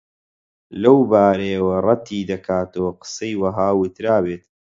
لەو بارەیەوە ڕەتی دەکاتەوە قسەی وەها وترابێت